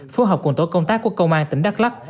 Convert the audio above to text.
phối hợp cùng tổ công tác của công an tỉnh đắk lắc